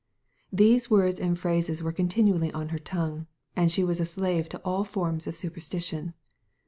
These words and phrases were continually on her tong^ue ; and she was a slave to all forms of superstition.